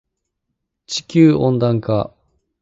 地球温暖化